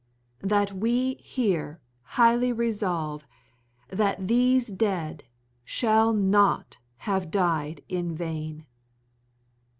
.. that we here highly resolve that these dead shall not have died in vain.